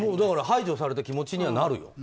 だから排除された気持ちにはなるよ。